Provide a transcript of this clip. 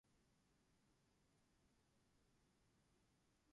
He has starred in the Nickelodeon sitcom "Cousin Skeeter".